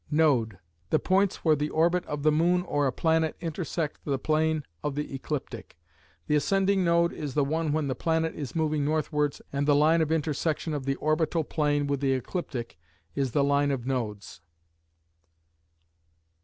Node: The points where the orbit of the moon or a planet intersect the plane of the ecliptic. The ascending node is the one when the planet is moving northwards, and the line of intersection of the orbital plane with the ecliptic is the line of nodes.